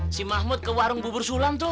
si mahmud ke warung bubur sulam tuh